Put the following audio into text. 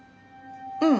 うん。